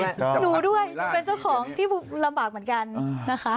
หนูด้วยเป็นเจ้าของที่ลำบากเหมือนกันนะคะ